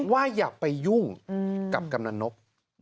ว่าอย่าไปยุ่งกับกำนันนก